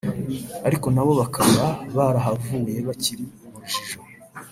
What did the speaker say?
ariko na bo bakaba barahavuye bakiri mu rujijo